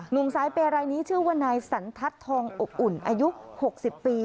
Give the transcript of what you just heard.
หนุ่มสายเปย์รายนี้ชื่อว่านายสันทัศน์ทองอบอุ่นอายุ๖๐ปี